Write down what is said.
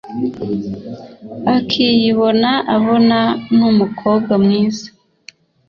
akiyibona abona numukobwa mwiza